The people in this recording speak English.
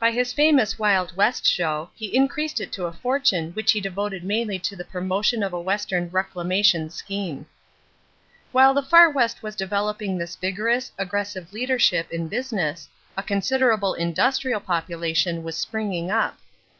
By his famous Wild West Show, he increased it to a fortune which he devoted mainly to the promotion of a western reclamation scheme. While the Far West was developing this vigorous, aggressive leadership in business, a considerable industrial population was springing up.